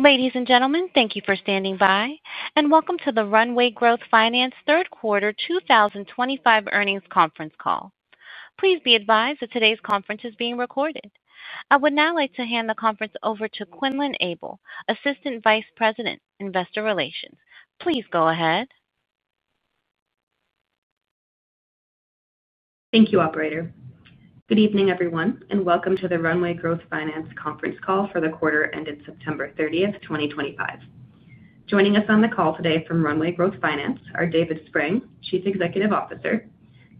Ladies and gentlemen, thank you for standing by, and welcome to the Runway Growth Finance third quarter 2025 earnings conference call. Please be advised that today's conference is being recorded. I would now like to hand the conference over to Quinlan Abel, Assistant Vice President, Investor Relations. Please go ahead. Thank you, Operator. Good evening, everyone, and welcome to the Runway Growth Finance conference call for the quarter ended September 30, 2025. Joining us on the call today from Runway Growth Finance are David Spreng, Chief Executive Officer;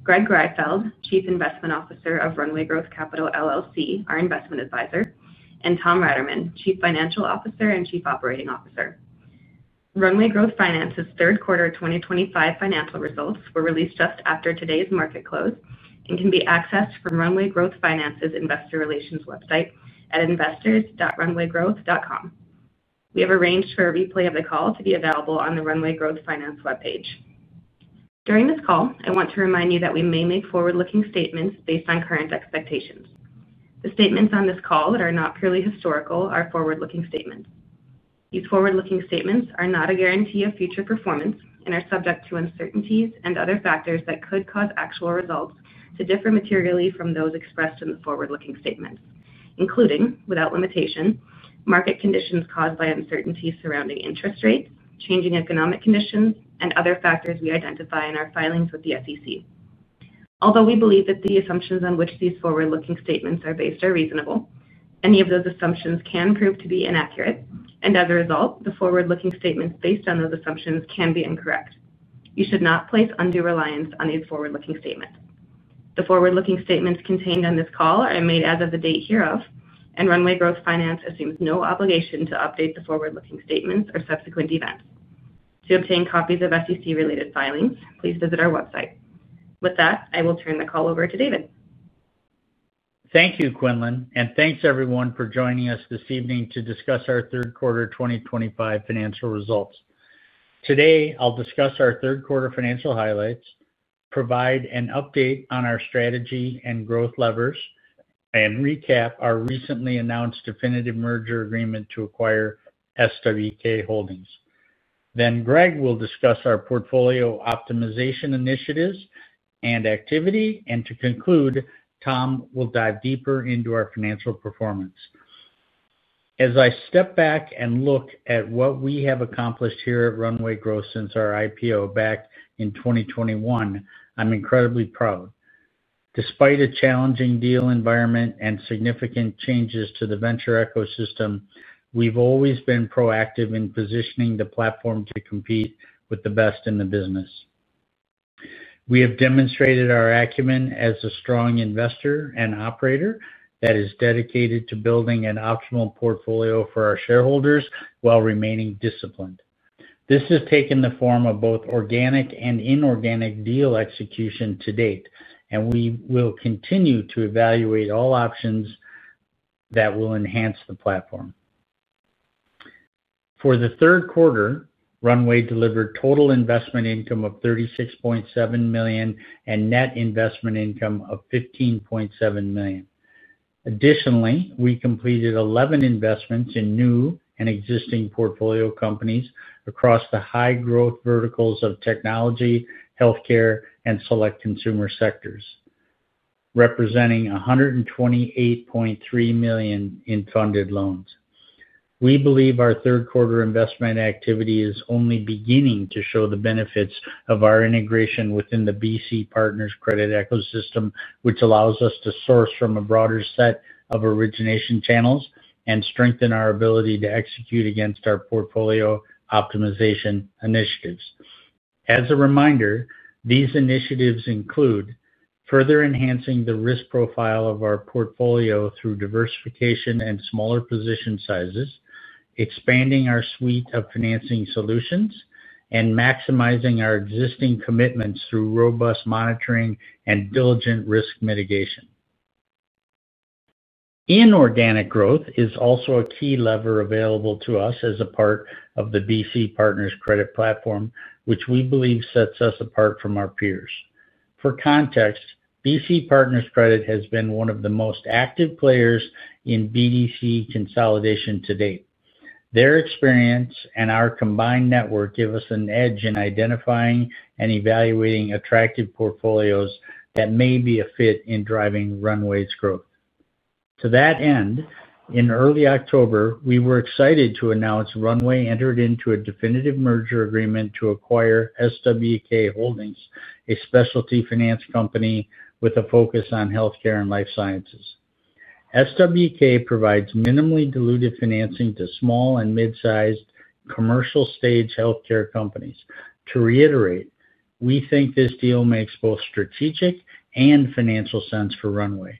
Greg Greifeld, Chief Investment Officer of Runway Growth Capital, our Investment Advisor; and Tom Raterman, Chief Financial Officer and Chief Operating Officer. Runway Growth Finance's third quarter 2025 financial results were released just after today's market close and can be accessed from Runway Growth Finance's Investor Relations website at investors.runwaygrowth.com. We have arranged for a replay of the call to be available on the Runway Growth Finance webpage. During this call, I want to remind you that we may make forward-looking statements based on current expectations. The statements on this call that are not purely historical are forward-looking statements. These forward-looking statements are not a guarantee of future performance and are subject to uncertainties and other factors that could cause actual results to differ materially from those expressed in the forward-looking statements, including, without limitation, market conditions caused by uncertainties surrounding interest rates, changing economic conditions, and other factors we identify in our filings with the SEC. Although we believe that the assumptions on which these forward-looking statements are based are reasonable, any of those assumptions can prove to be inaccurate, and as a result, the forward-looking statements based on those assumptions can be incorrect. You should not place undue reliance on these forward-looking statements. The forward-looking statements contained on this call are made as of the date hereof, and Runway Growth Finance assumes no obligation to update the forward-looking statements or subsequent events. To obtain copies of SEC-related filings, please visit our website. With that, I will turn the call over to David. Thank you, Quinlan, and thanks, everyone, for joining us this evening to discuss our third quarter 2025 financial results. Today, I'll discuss our third quarter financial highlights, provide an update on our strategy and growth levers, and recap our recently announced definitive merger agreement to acquire SWK Holdings. Greg will discuss our portfolio optimization initiatives and activity, and to conclude, Tom will dive deeper into our financial performance. As I step back and look at what we have accomplished here at Runway Growth Finance since our IPO back in 2021, I'm incredibly proud. Despite a challenging deal environment and significant changes to the venture ecosystem, we've always been proactive in positioning the platform to compete with the best in the business. We have demonstrated our acumen as a strong investor and operator that is dedicated to building an optimal portfolio for our shareholders while remaining disciplined. This has taken the form of both organic and inorganic deal execution to date, and we will continue to evaluate all options that will enhance the platform. For the third quarter, Runway delivered total investment income of $36.7 million and net investment income of $15.7 million. Additionally, we completed 11 investments in new and existing portfolio companies across the high-growth verticals of technology, healthcare, and select consumer sectors, representing $128.3 million in funded loans. We believe our third quarter investment activity is only beginning to show the benefits of our integration within the BC Partners credit ecosystem, which allows us to source from a broader set of origination channels and strengthen our ability to execute against our portfolio optimization initiatives. As a reminder, these initiatives include. Further enhancing the risk profile of our portfolio through diversification and smaller position sizes, expanding our suite of financing solutions, and maximizing our existing commitments through robust monitoring and diligent risk mitigation. Inorganic growth is also a key lever available to us as a part of the BC Partners credit platform, which we believe sets us apart from our peers. For context, BC Partners credit has been one of the most active players in BDC consolidation to date. Their experience and our combined network give us an edge in identifying and evaluating attractive portfolios that may be a fit in driving Runway's growth. To that end, in early October, we were excited to announce Runway entered into a definitive merger agreement to acquire SWK Holdings, a specialty finance company with a focus on healthcare and life sciences. SWK provides minimally diluted financing to small and mid-sized commercial-stage healthcare companies. To reiterate, we think this deal makes both strategic and financial sense for Runway.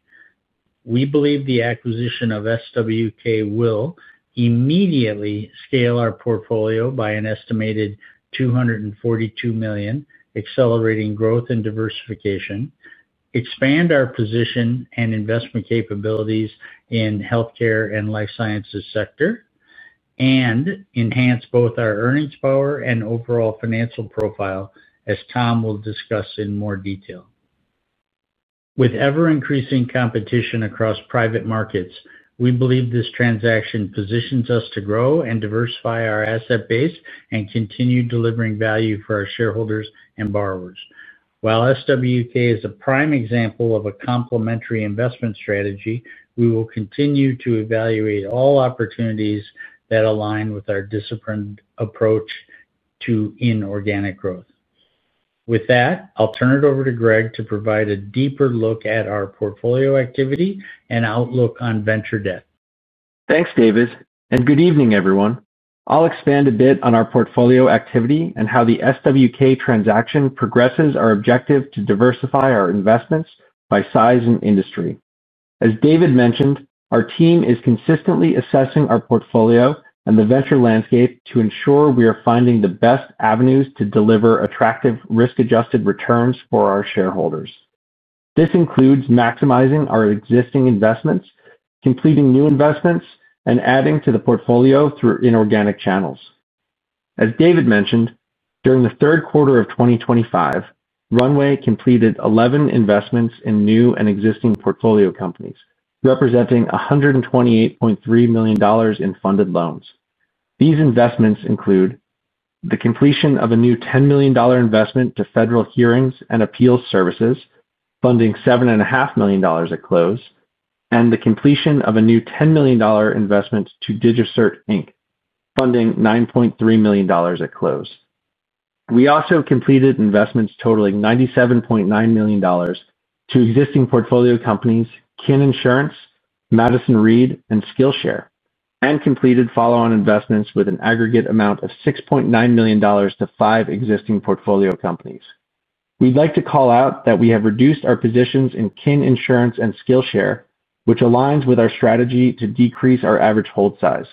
We believe the acquisition of SWK will immediately scale our portfolio by an estimated $242 million, accelerating growth and diversification. Expand our position and investment capabilities in healthcare and life sciences sector. And enhance both our earnings power and overall financial profile, as Tom will discuss in more detail. With ever-increasing competition across private markets, we believe this transaction positions us to grow and diversify our asset base and continue delivering value for our shareholders and borrowers. While SWK is a prime example of a complementary investment strategy, we will continue to evaluate all opportunities that align with our disciplined approach to inorganic growth. With that, I'll turn it over to Greg to provide a deeper look at our portfolio activity and outlook on venture debt. Thanks, David, and good evening, everyone. I'll expand a bit on our portfolio activity and how the SWK transaction progresses our objective to diversify our investments by size and industry. As David mentioned, our team is consistently assessing our portfolio and the venture landscape to ensure we are finding the best avenues to deliver attractive risk-adjusted returns for our shareholders. This includes maximizing our existing investments, completing new investments, and adding to the portfolio through inorganic channels. As David mentioned, during the third quarter of 2025, Runway completed 11 investments in new and existing portfolio companies, representing $128.3 million in funded loans. These investments include the completion of a new $10 million investment to Federal Hearings and Appeals Services, funding $7.5 million at close, and the completion of a new $10 million investment to DigiCert Inc., funding $9.3 million at close. We also completed investments totaling $97.9 million. To existing portfolio companies: Kin Insurance, Madison Reed, and Skillshare, and completed follow-on investments with an aggregate amount of $6.9 million to five existing portfolio companies. We'd like to call out that we have reduced our positions in Kin Insurance and Skillshare, which aligns with our strategy to decrease our average hold size.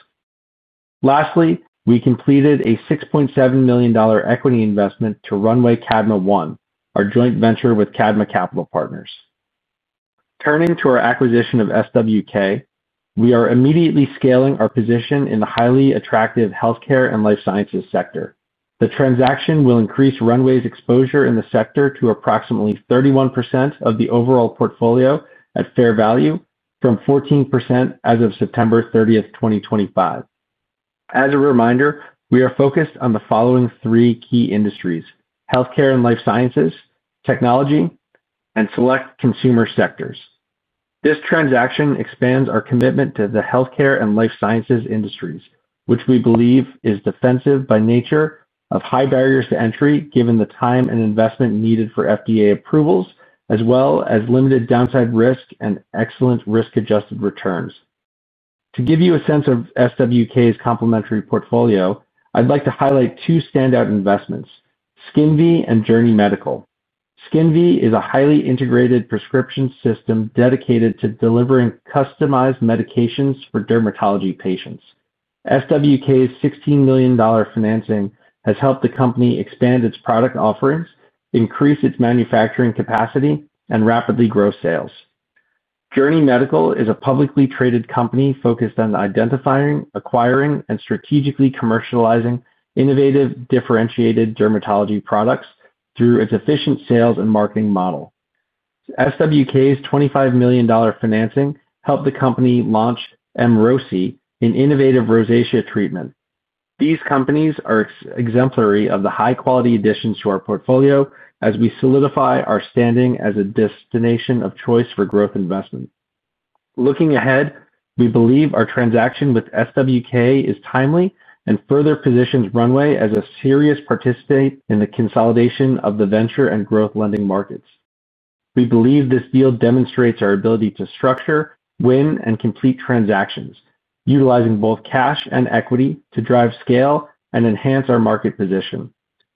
Lastly, we completed a $6.7 million equity investment to Runway Kadma One, our joint venture with Kadma Capital Partners. Turning to our acquisition of SWK, we are immediately scaling our position in the highly attractive healthcare and life sciences sector. The transaction will increase Runway's exposure in the sector to approximately 31% of the overall portfolio at fair value from 14% as of September 30, 2023. As a reminder, we are focused on the following three key industries: healthcare and life sciences, technology, and select consumer sectors. This transaction expands our commitment to the healthcare and life sciences industries, which we believe is defensive by nature of high barriers to entry given the time and investment needed for FDA approvals, as well as limited downside risk and excellent risk-adjusted returns. To give you a sense of SWK's complementary portfolio, I'd like to highlight two standout investments: SkinV and Journey Medical. SkinV is a highly integrated prescription system dedicated to delivering customized medications for dermatology patients. SWK's $16 million financing has helped the company expand its product offerings, increase its manufacturing capacity, and rapidly grow sales. Journey Medical is a publicly traded company focused on identifying, acquiring, and strategically commercializing innovative differentiated dermatology products through its efficient sales and marketing model. SWK's $25 million financing helped the company launch Emrosi, an innovative rosacea treatment. These companies are exemplary of the high-quality additions to our portfolio as we solidify our standing as a destination of choice for growth investment. Looking ahead, we believe our transaction with SWK is timely and further positions Runway as a serious participant in the consolidation of the venture and growth lending markets. We believe this deal demonstrates our ability to structure, win, and complete transactions, utilizing both cash and equity to drive scale and enhance our market position.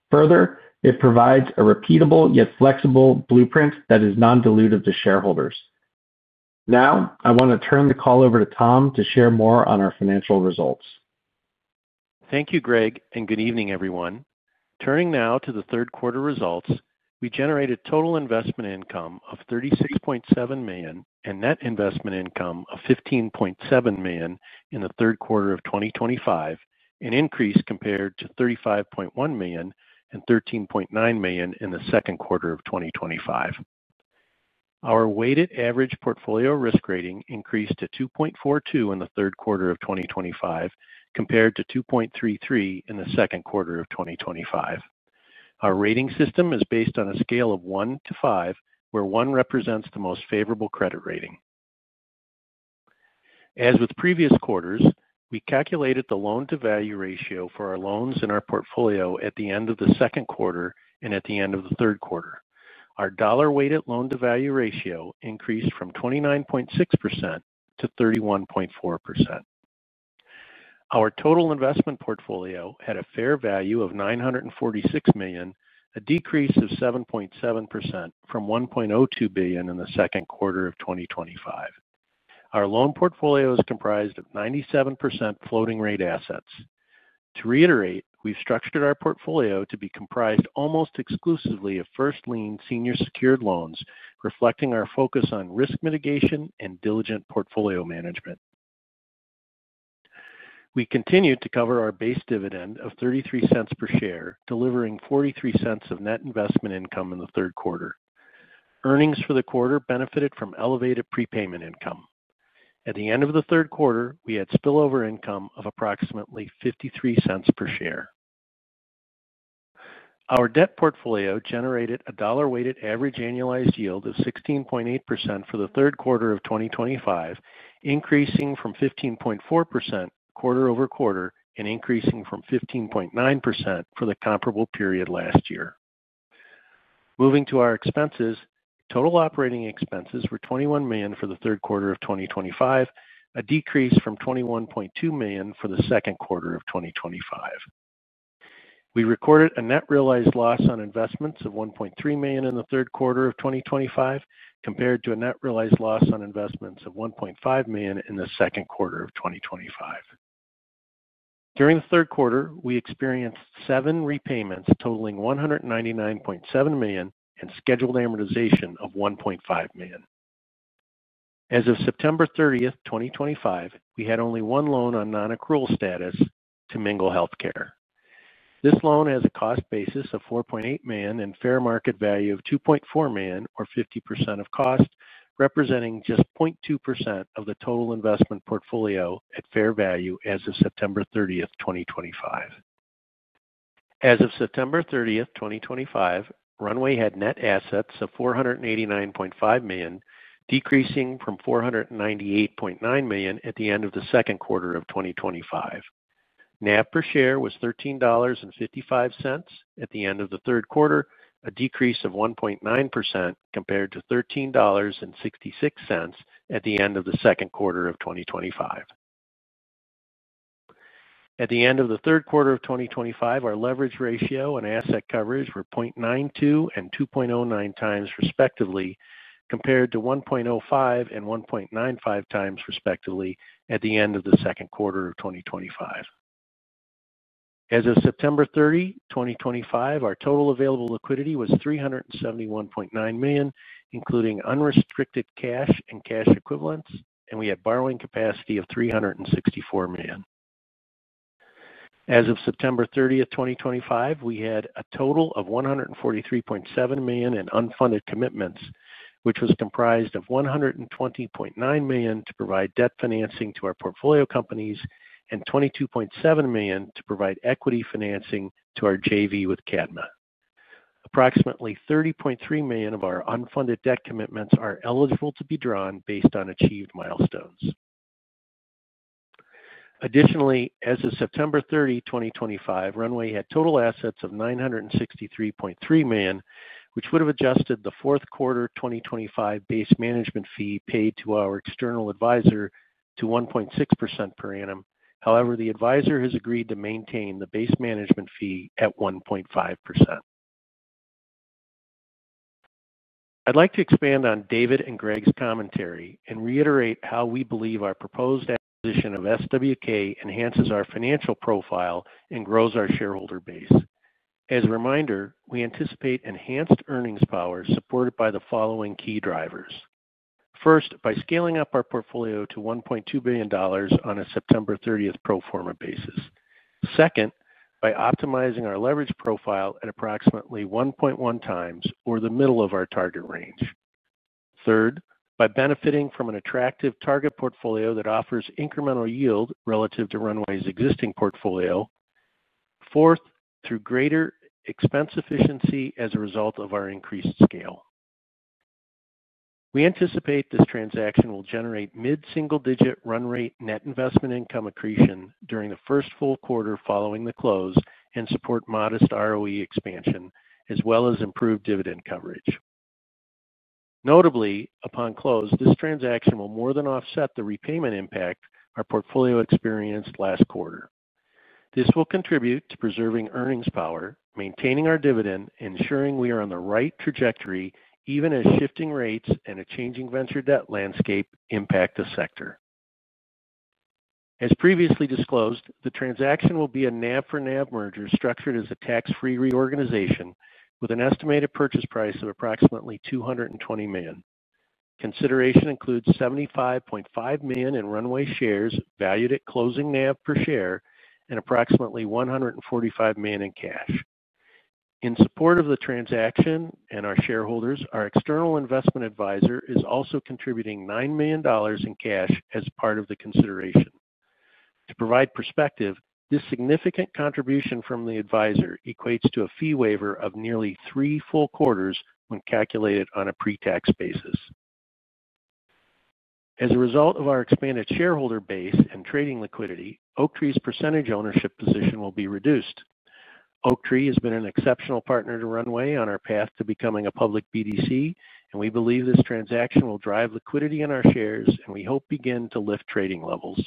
Further, it provides a repeatable yet flexible blueprint that is non-dilutive to shareholders. Now, I want to turn the call over to Tom to share more on our financial results. Thank you, Greg, and good evening, everyone. Turning now to the third quarter results, we generated total investment income of $36.7 million and net investment income of $15.7 million in the third quarter of 2025, an increase compared to $35.1 million and $13.9 million in the second quarter of 2025. Our weighted average portfolio risk rating increased to 2.42 in the third quarter of 2025 compared to 2.33 in the second quarter of 2025. Our rating system is based on a scale of 1-5, where 1 represents the most favorable credit rating. As with previous quarters, we calculated the loan-to-value ratio for our loans in our portfolio at the end of the second quarter and at the end of the third quarter. Our dollar-weighted loan-to-value ratio increased from 29.6%-31.4%. Our total investment portfolio had a fair value of $946 million, a decrease of 7.7% from $1.02 billion in the second quarter of 2025. Our loan portfolio is comprised of 97% floating-rate assets. To reiterate, we've structured our portfolio to be comprised almost exclusively of first-lien senior secured loans, reflecting our focus on risk mitigation and diligent portfolio management. We continued to cover our base dividend of $0.33 per share, delivering $0.43 of net investment income in the third quarter. Earnings for the quarter benefited from elevated prepayment income. At the end of the third quarter, we had spillover income of approximately $0.53 per share. Our debt portfolio generated a dollar-weighted average annualized yield of 16.8% for the third quarter of 2025, increasing from 15.4% quarter over quarter and increasing from 15.9% for the comparable period last year. Moving to our expenses, total operating expenses were $21 million for the third quarter of 2025, a decrease from $21.2 million for the second quarter of 2025. We recorded a net realized loss on investments of $1.3 million in the third quarter of 2025 compared to a net realized loss on investments of $1.5 million in the second quarter of 2025. During the third quarter, we experienced seven repayments totaling $199.7 million and scheduled amortization of $1.5 million. As of September 30, 2025, we had only one loan on non-accrual status to Mingle Healthcare. This loan has a cost basis of $4.8 million and fair market value of $2.4 million, or 50% of cost, representing just 0.2% of the total investment portfolio at fair value as of September 30, 2025. As of September 30, 2025, Runway had net assets of $489.5 million, decreasing from $498.9 million at the end of the second quarter of 2025. NAV per share was $13.55 at the end of the third quarter, a decrease of 1.9% compared to $13.66 at the end of the second quarter of 2025. At the end of the third quarter of 2025, our leverage ratio and asset coverage were 0.92 and 2.09x respectively, compared to 1.05 and 1.95x, respectively, at the end of the second quarter of 2025. As of September 30, 2025, our total available liquidity was $371.9 million, including unrestricted cash and cash equivalents, and we had borrowing capacity of $364 million. As of September 30, 2025, we had a total of $143.7 million in unfunded commitments, which was comprised of $120.9 million to provide debt financing to our portfolio companies and $22.7 million to provide equity financing to our JV with Kadma. Approximately $30.3 million of our unfunded debt commitments are eligible to be drawn based on achieved milestones. Additionally, as of September 30, 2025, Runway had total assets of $963.3 million, which would have adjusted the fourth quarter 2025 base management fee paid to our external advisor to 1.6% per annum. However, the advisor has agreed to maintain the base management fee at 1.5%. I'd like to expand on David and Greg's commentary and reiterate how we believe our proposed acquisition of SWK enhances our financial profile and grows our shareholder base. As a reminder, we anticipate enhanced earnings power supported by the following key drivers. First, by scaling up our portfolio to $1.2 billion on a September 30 pro forma basis. Second, by optimizing our leverage profile at approximately 1.1x, or the middle of our target range. Third, by benefiting from an attractive target portfolio that offers incremental yield relative to Runway's existing portfolio. Fourth, through greater expense efficiency as a result of our increased scale. We anticipate this transaction will generate mid-single-digit run-rate net investment income accretion during the first full quarter following the close and support modest ROE expansion, as well as improved dividend coverage. Notably, upon close, this transaction will more than offset the repayment impact our portfolio experienced last quarter. This will contribute to preserving earnings power, maintaining our dividend, and ensuring we are on the right trajectory even as shifting rates and a changing venture debt landscape impact the sector. As previously disclosed, the transaction will be a NAB-for-NAB merger structured as a tax-free reorganization with an estimated purchase price of approximately $220 million. Consideration includes $75.5 million in Runway shares valued at closing NAB per share and approximately $145 million in cash. In support of the transaction and our shareholders, our external investment advisor is also contributing $9 million in cash as part of the consideration. To provide perspective, this significant contribution from the advisor equates to a fee waiver of nearly three full quarters when calculated on a pre-tax basis. As a result of our expanded shareholder base and trading liquidity, Oaktree's percentage ownership position will be reduced. Oaktree has been an exceptional partner to Runway on our path to becoming a public BDC, and we believe this transaction will drive liquidity in our shares and we hope begin to lift trading levels.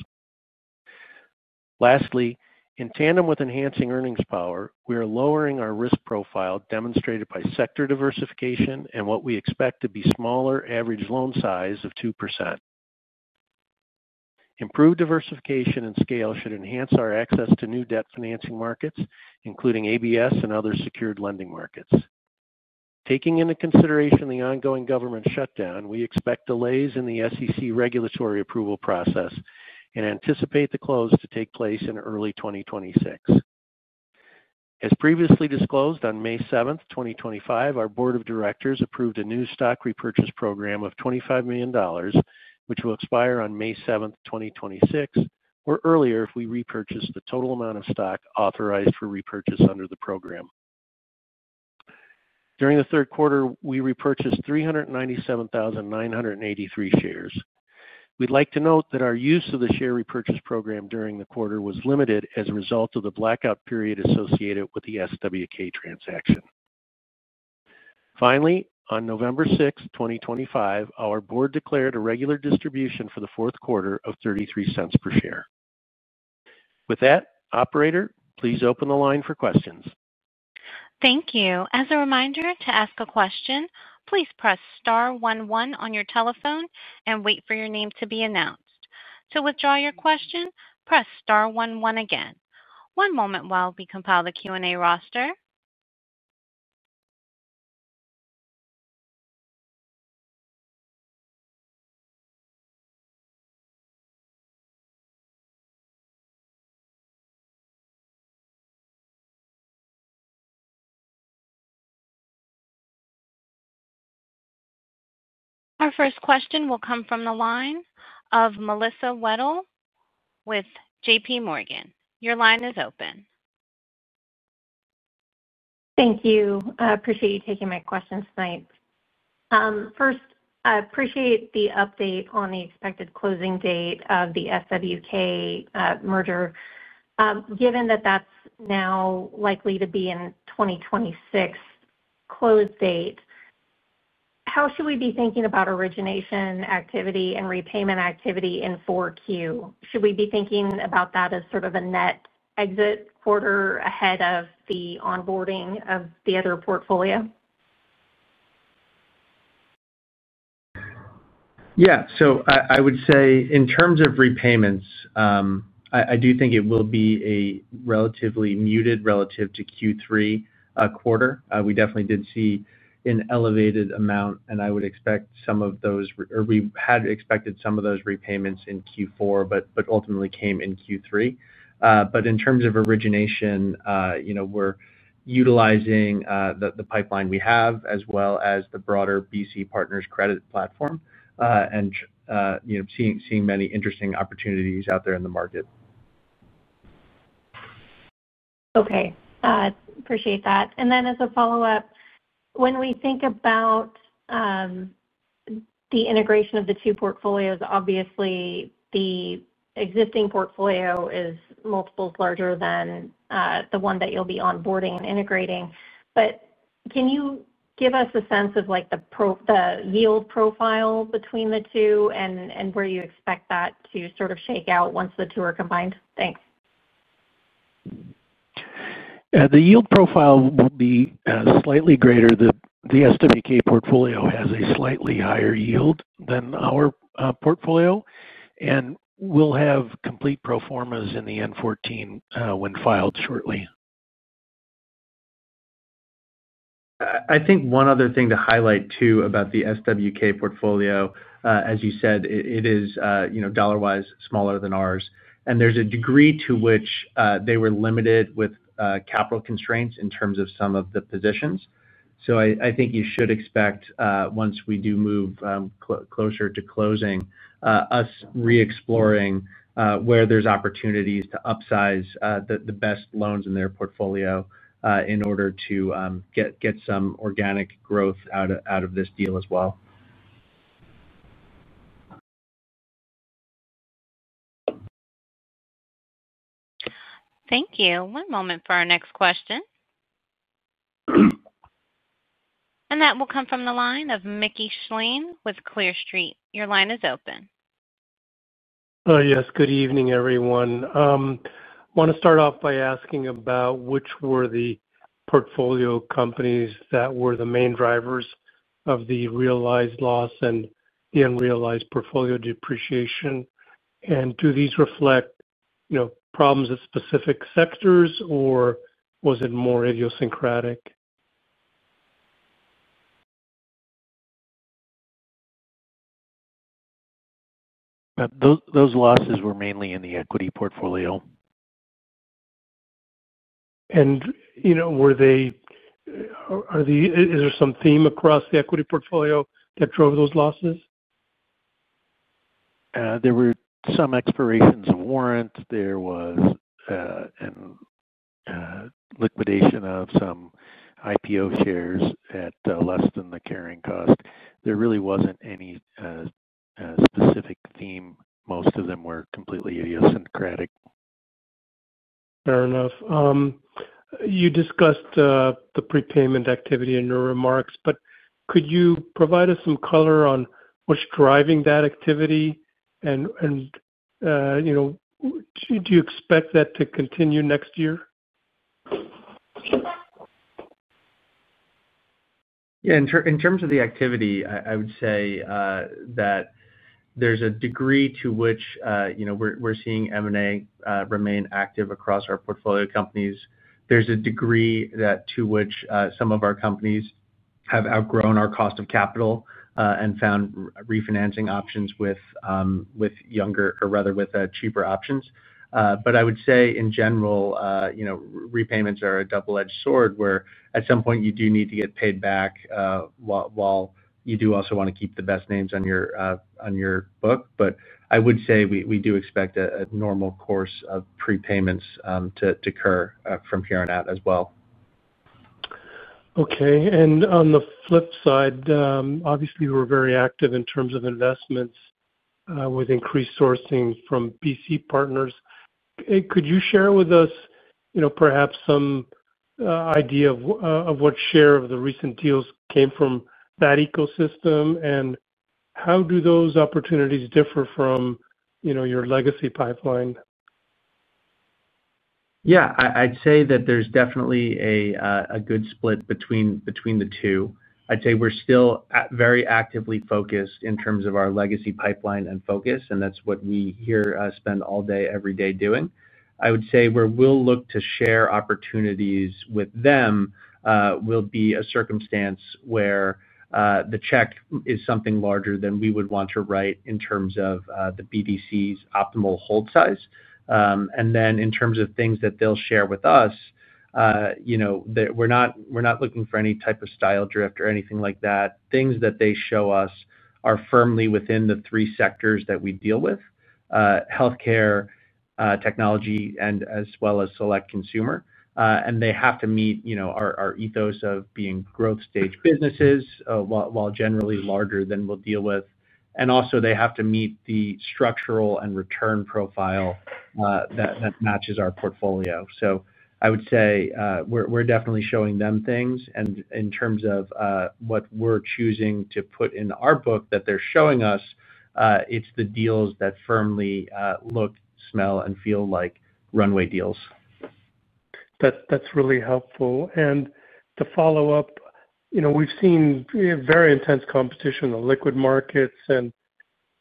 Lastly, in tandem with enhancing earnings power, we are lowering our risk profile demonstrated by sector diversification and what we expect to be smaller average loan size of 2%. Improved diversification and scale should enhance our access to new debt financing markets, including ABS and other secured lending markets. Taking into consideration the ongoing government shutdown, we expect delays in the SEC regulatory approval process. We anticipate the close to take place in early 2026. As previously disclosed, on May 7, 2025, our Board of Directors approved a new stock repurchase program of $25 million, which will expire on May 7, 2026, or earlier if we repurchase the total amount of stock authorized for repurchase under the program. During the third quarter, we repurchased 397,983 shares. We'd like to note that our use of the share repurchase program during the quarter was limited as a result of the blackout period associated with the SWK transaction. Finally, on November 6, 2025, our board declared a regular distribution for the fourth quarter of $0.33 per share. With that, Operator, please open the line for questions. Thank you. As a reminder, to ask a question, please press star one one on your telephone and wait for your name to be announced. To withdraw your question, press star one one again. One moment while we compile the Q&A roster. Our first question will come from the line of Melissa Wedel with JPMorgan. Your line is open. Thank you. I appreciate you taking my questions tonight. First, I appreciate the update on the expected closing date of the SWK merger. Given that that is now likely to be in 2026 close date, how should we be thinking about origination activity and repayment activity in 4Q? Should we be thinking about that as sort of a net exit quarter ahead of the onboarding of the other portfolio? Yeah. I would say in terms of repayments, I do think it will be relatively muted relative to Q3 quarter. We definitely did see an elevated amount, and I would expect some of those or we had expected some of those repayments in Q4, but ultimately came in Q3. In terms of origination, we're utilizing the pipeline we have as well as the broader BC Partners credit platform and seeing many interesting opportunities out there in the market. Okay. Appreciate that. As a follow-up, when we think about the integration of the two portfolios, obviously the existing portfolio is multiples larger than the one that you'll be onboarding and integrating. Can you give us a sense of the yield profile between the two and where you expect that to sort of shake out once the two are combined? Thanks. The yield profile will be slightly greater. The SWK portfolio has a slightly higher yield than our portfolio, and we'll have complete pro formas in the N-14 when filed shortly. I think one other thing to highlight too about the SWK portfolio, as you said, it is dollar-wise smaller than ours. There is a degree to which they were limited with capital constraints in terms of some of the positions. I think you should expect, once we do move closer to closing, us re-exploring where there are opportunities to upsize the best loans in their portfolio in order to get some organic growth out of this deal as well. Thank you. One moment for our next question. That will come from the line of Mickey Schlein with Clear Street. Your line is open. Yes. Good evening, everyone. I want to start off by asking about which were the portfolio companies that were the main drivers of the realized loss and the unrealized portfolio depreciation. Do these reflect problems of specific sectors, or was it more idiosyncratic? Those losses were mainly in the equity portfolio. Is there some theme across the equity portfolio that drove those losses? There were some expirations of warrants. There was liquidation of some IPO shares at less than the carrying cost. There really was not any specific theme. Most of them were completely idiosyncratic. Fair enough. You discussed the prepayment activity in your remarks, but could you provide us some color on what's driving that activity? Do you expect that to continue next year? Yeah. In terms of the activity, I would say that there's a degree to which we're seeing M&A remain active across our portfolio companies. There's a degree to which some of our companies have outgrown our cost of capital and found refinancing options with younger or rather with cheaper options. I would say, in general, repayments are a double-edged sword where at some point you do need to get paid back. While you do also want to keep the best names on your book. I would say we do expect a normal course of prepayments to occur from here on out as well. Okay. On the flip side, obviously, we're very active in terms of investments. With increased sourcing from BC Partners, could you share with us perhaps some idea of what share of the recent deals came from that ecosystem? How do those opportunities differ from your legacy pipeline? Yeah. I'd say that there's definitely a good split between the two. I'd say we're still very actively focused in terms of our legacy pipeline and focus, and that's what we here spend all day, every day doing. I would say where we'll look to share opportunities with them will be a circumstance where the check is something larger than we would want to write in terms of the BDC's optimal hold size. In terms of things that they'll share with us, we're not looking for any type of style drift or anything like that. Things that they show us are firmly within the three sectors that we deal with: healthcare, technology, and as well as select consumer. They have to meet our ethos of being growth-stage businesses, while generally larger than we'll deal with. They have to meet the structural and return profile that matches our portfolio. I would say we are definitely showing them things. In terms of what we are choosing to put in our book that they are showing us, it is the deals that firmly look, smell, and feel like Runway deals. That's really helpful. To follow up, we've seen very intense competition in the liquid markets and,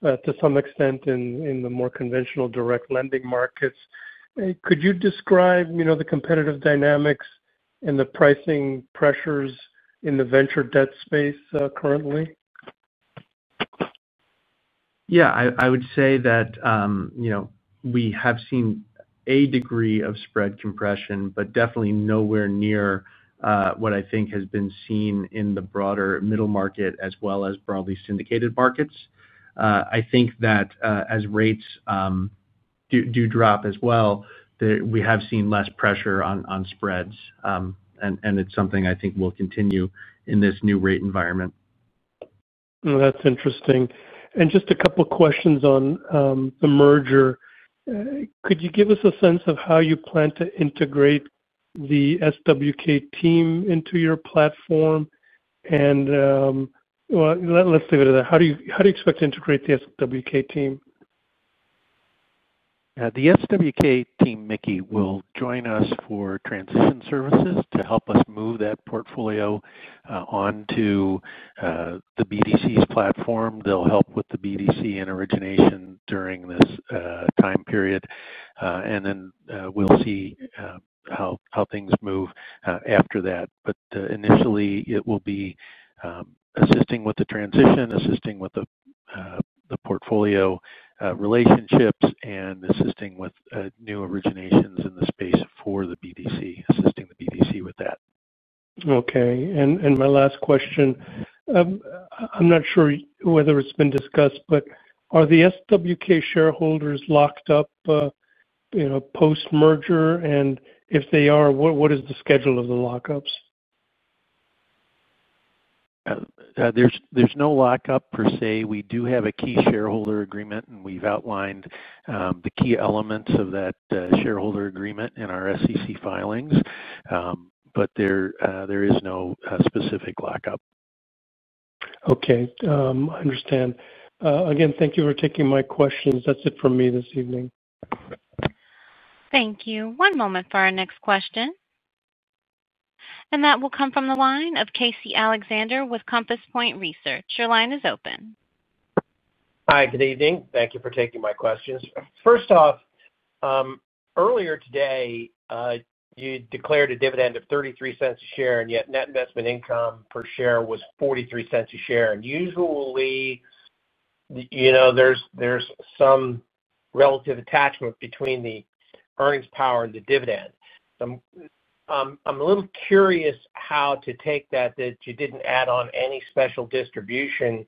to some extent, in the more conventional direct lending markets. Could you describe the competitive dynamics and the pricing pressures in the venture debt space currently? Yeah. I would say that we have seen a degree of spread compression, but definitely nowhere near what I think has been seen in the broader middle market as well as broadly syndicated markets. I think that as rates do drop as well, we have seen less pressure on spreads. It is something I think will continue in this new rate environment. That's interesting. Just a couple of questions on the merger. Could you give us a sense of how you plan to integrate the SWK team into your platform? Let's leave it at that. How do you expect to integrate the SWK team? The SWK team, Mickey, will join us for transition services to help us move that portfolio onto the BDC's platform. They'll help with the BDC and origination during this time period. We'll see how things move after that. Initially, it will be assisting with the transition, assisting with the portfolio relationships, and assisting with new originations in the space for the BDC, assisting the BDC with that. Okay. My last question. I'm not sure whether it's been discussed, but are the SWK shareholders locked up post-merger? If they are, what is the schedule of the lockups? There's no lockup per se. We do have a key shareholder agreement, and we've outlined the key elements of that shareholder agreement in our SEC filings. There is no specific lockup. Okay. I understand. Again, thank you for taking my questions. That's it for me this evening. Thank you. One moment for our next question. That will come from the line of Casey Alexander with Compass Point Research. Your line is open. Hi. Good evening. Thank you for taking my questions. First off, earlier today, you declared a dividend of $0.33 a share, and yet net investment income per share was $0.43 a share. Usually, there is some relative attachment between the earnings power and the dividend. I'm a little curious how to take that, that you did not add on any special distribution.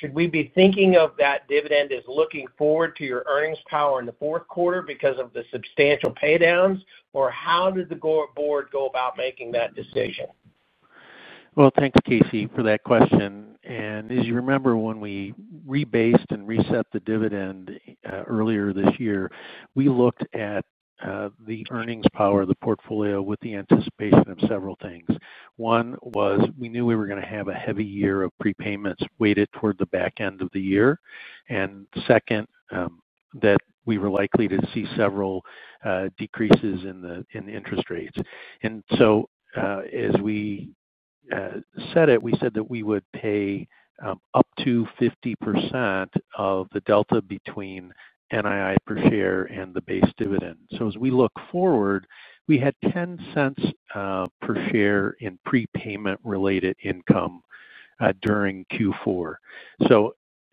Should we be thinking of that dividend as looking forward to your earnings power in the fourth quarter because of the substantial paydowns? Or how did the board go about making that decision? Thanks, Casey, for that question. As you remember, when we rebased and reset the dividend earlier this year, we looked at the earnings power of the portfolio with the anticipation of several things. One was we knew we were going to have a heavy year of prepayments weighted toward the back end of the year. Second, that we were likely to see several decreases in the interest rates. As we said it, we said that we would pay up to 50% of the delta between NII per share and the base dividend. As we look forward, we had $0.10 per share in prepayment-related income during Q4.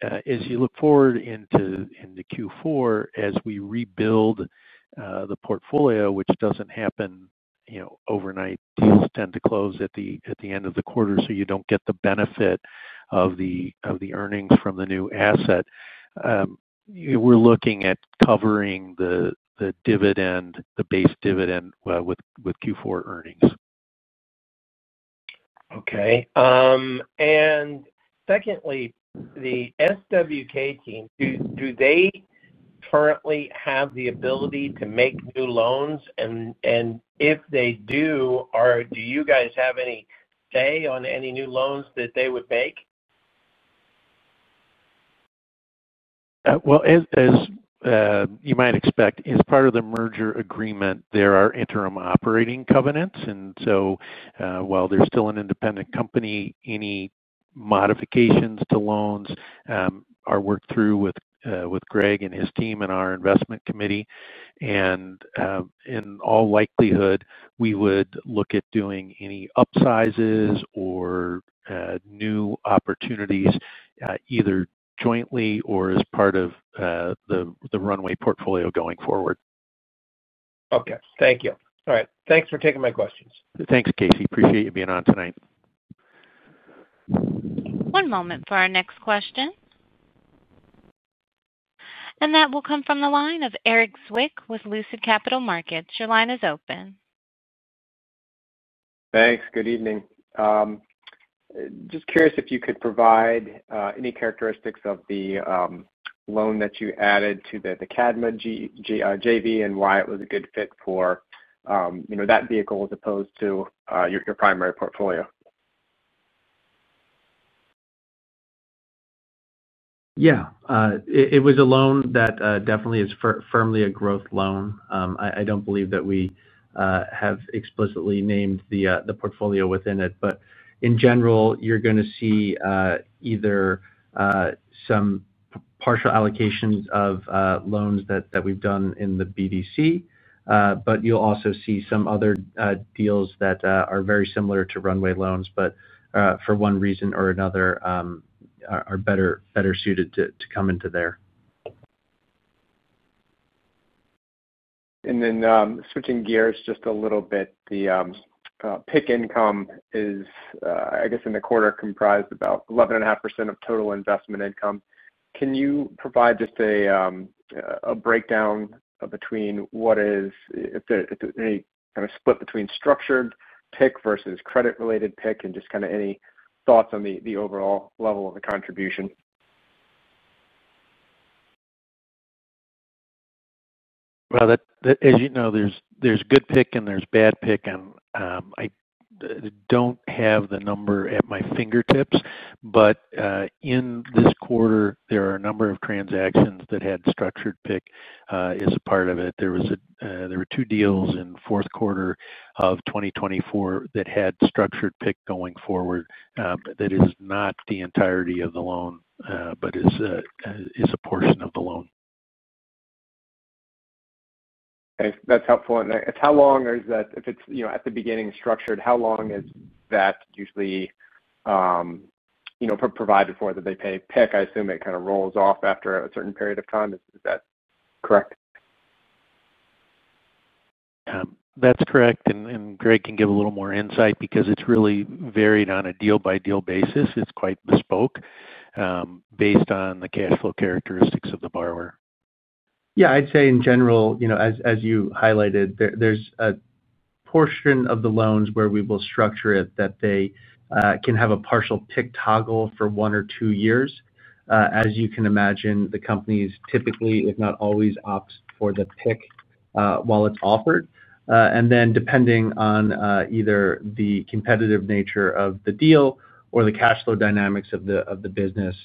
As you look forward into Q4, as we rebuild. The portfolio, which doesn't happen overnight, deals tend to close at the end of the quarter, so you don't get the benefit of the earnings from the new asset. We're looking at covering the base dividend with Q4 earnings. Okay. And secondly, the SWK team, do they currently have the ability to make new loans? And if they do, do you guys have any say on any new loans that they would make? As you might expect, as part of the merger agreement, there are interim operating covenants. While they are still an independent company, any modifications to loans are worked through with Greg and his team and our investment committee. In all likelihood, we would look at doing any upsizes or new opportunities either jointly or as part of the Runway portfolio going forward. Okay. Thank you. All right. Thanks for taking my questions. Thanks, Casey. Appreciate you being on tonight. One moment for our next question. That will come from the line of Eric Zwick with Lucid Capital Markets. Your line is open. Thanks. Good evening. Just curious if you could provide any characteristics of the loan that you added to the Kadma JV and why it was a good fit for that vehicle as opposed to your primary portfolio. Yeah. It was a loan that definitely is firmly a growth loan. I do not believe that we have explicitly named the portfolio within it. In general, you are going to see either some partial allocations of loans that we have done in the BDC, but you will also see some other deals that are very similar to runway loans, but for one reason or another are better suited to come into there. Switching gears just a little bit, the PIK income is, I guess, in the quarter comprised about 11.5% of total investment income. Can you provide just a breakdown between what is, if there is any kind of split between structured PIK versus credit-related PIK and just kind of any thoughts on the overall level of the contribution? As you know, there's good pick and there's bad pick. I don't have the number at my fingertips, but in this quarter, there are a number of transactions that had structured pick as a part of it. There were two deals in the fourth quarter of 2024 that had structured pick going forward. That is not the entirety of the loan, but is a portion of the loan. Okay. That's helpful. How long is that? If it's at the beginning structured, how long is that usually provided for that they pay pick? I assume it kind of rolls off after a certain period of time. Is that correct? That's correct. Greg can give a little more insight because it's really varied on a deal-by-deal basis. It's quite bespoke, based on the cash flow characteristics of the borrower. Yeah. I'd say in general, as you highlighted, there's a portion of the loans where we will structure it that they can have a partial PIK toggle for one or two years. As you can imagine, the companies typically, if not always, opt for the PIK while it's offered. Depending on either the competitive nature of the deal or the cash flow dynamics of the business,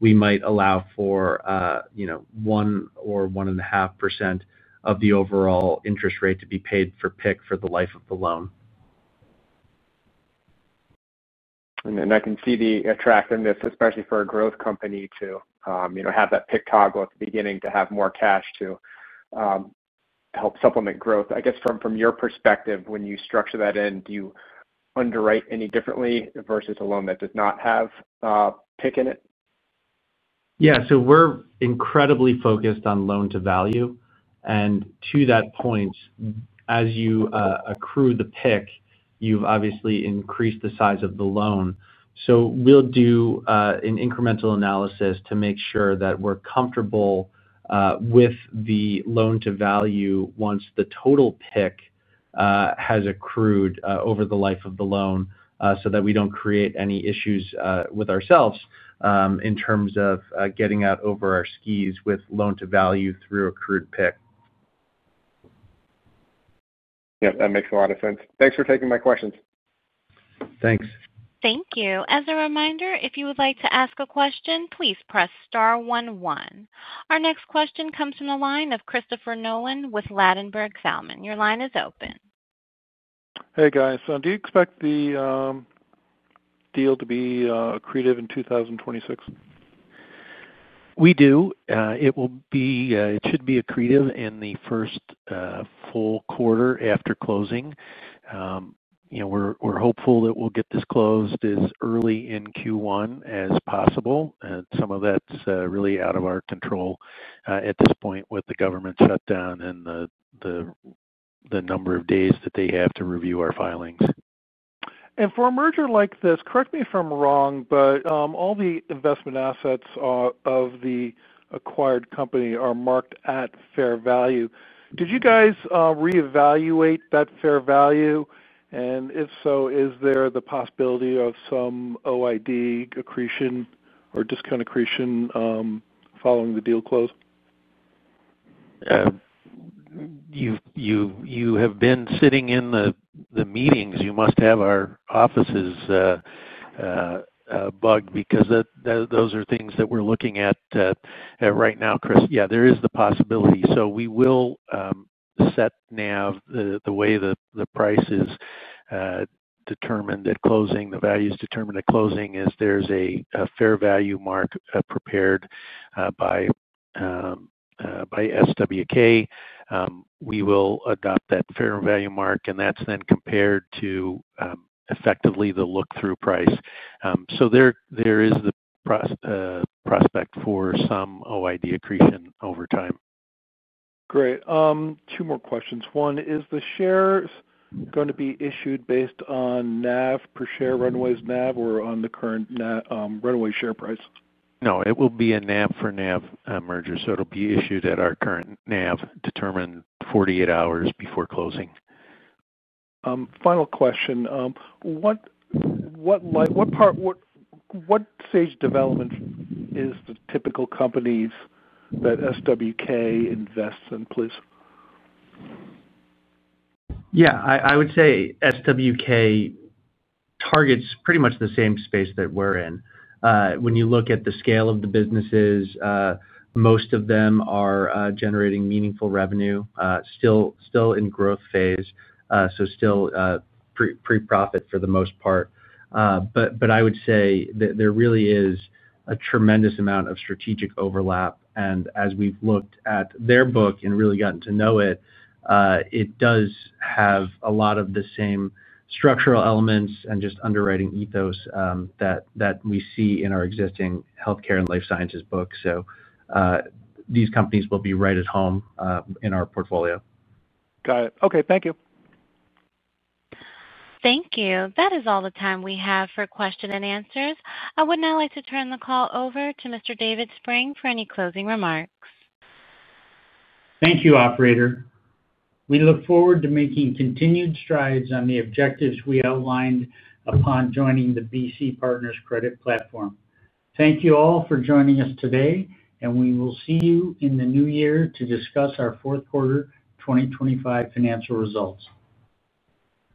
we might allow for 1% or 1.5% of the overall interest rate to be paid for PIK for the life of the loan. I can see the attractiveness, especially for a growth company to have that PIK toggle at the beginning to have more cash to help supplement growth. I guess from your perspective, when you structure that in, do you underwrite any differently versus a loan that does not have PIK in it? Yeah. We are incredibly focused on loan-to-value. To that point, as you accrue the PIK, you have obviously increased the size of the loan. We will do an incremental analysis to make sure that we are comfortable with the loan-to-value once the total PIK has accrued over the life of the loan, so that we do not create any issues with ourselves in terms of getting out over our skis with loan-to-value through accrued PIK. Yep. That makes a lot of sense. Thanks for taking my questions. Thanks. Thank you. As a reminder, if you would like to ask a question, please press star one one. Our next question comes from the line of Christopher Nolan with Lattenberg Salmon. Your line is open. Hey, guys. Do you expect the deal to be accretive in 2026? We do. It should be accretive in the first full quarter after closing. We're hopeful that we'll get this closed as early in Q1 as possible. Some of that's really out of our control at this point with the government shutdown and the number of days that they have to review our filings. For a merger like this, correct me if I'm wrong, but all the investment assets of the acquired company are marked at fair value. Did you guys reevaluate that fair value? If so, is there the possibility of some OID accretion or discount accretion following the deal close? You have been sitting in the meetings. You must have our offices bugged because those are things that we're looking at right now, Chris. Yeah, there is the possibility. We will set now the way the price is determined at closing, the value is determined at closing, as there's a fair value mark prepared by SWK. We will adopt that fair value mark, and that's then compared to effectively the look-through price. There is the prospect for some OID accretion over time. Great. Two more questions. One, is the shares going to be issued based on NAV per share, Runway's NAV, or on the current Runway share price? No, it will be a NAV for NAV merger. So it'll be issued at our current NAV determined 48 hours before closing. Final question. What stage development is the typical companies that SWK invests in, please? Yeah. I would say SWK targets pretty much the same space that we're in. When you look at the scale of the businesses, most of them are generating meaningful revenue, still in growth phase, so still pre-profit for the most part. I would say that there really is a tremendous amount of strategic overlap. As we've looked at their book and really gotten to know it, it does have a lot of the same structural elements and just underwriting ethos that we see in our existing healthcare and life sciences book. These companies will be right at home in our portfolio. Got it. Okay. Thank you. Thank you. That is all the time we have for question and answers. I would now like to turn the call over to Mr. David Spreng for any closing remarks. Thank you, operator. We look forward to making continued strides on the objectives we outlined upon joining the BC Partners Credit Platform. Thank you all for joining us today, and we will see you in the new year to discuss our fourth quarter 2025 financial results.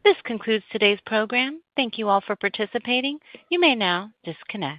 This concludes today's program. Thank you all for participating. You may now disconnect.